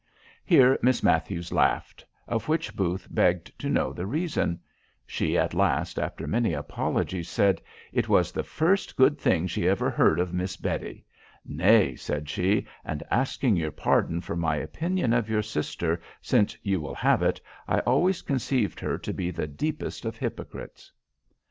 Here Miss Matthews laughed; of which Booth begged to know the reason: she, at last, after many apologies, said, "It was the first good thing she ever heard of Miss Betty; nay," said she, "and asking your pardon for my opinion of your sister, since you will have it, I always conceived her to be the deepest of hypocrites."